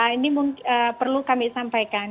ini perlu kami sampaikan